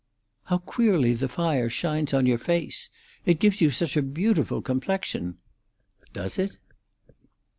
How queerly the fire shines on your face! It gives you such a beautiful complexion." "Does it?"